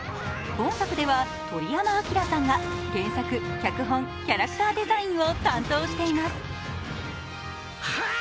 今作では鳥山明さんが原作、脚本、キャラクターデザインを担当しています。